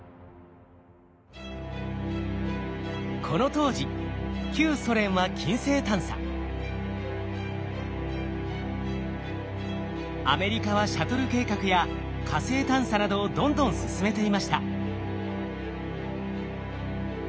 この当時アメリカはシャトル計画や火星探査などをどんどん進めていました。